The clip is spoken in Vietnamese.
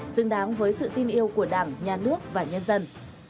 xứng đáng với sự tin yêu của đảng nhà nước và nhân dân